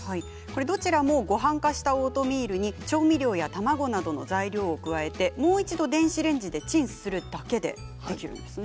どちらもごはん化したオートミールに調味料や卵などの材料を加えてもう一度、電子レンジでチンするだけでできるんですね。